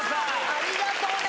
ありがとうね！